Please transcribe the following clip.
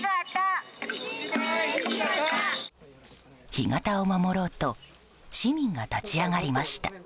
干潟を守ろうと市民が立ち上がりました。